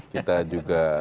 kita juga menghadapi